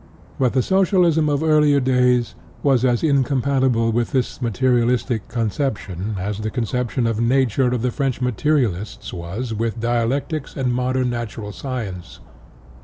But the Socialism of earlier days was as incompatible with this materialistic conception as the concep tion of Nature of the French materialists was with dialectics and modern natural sci ence.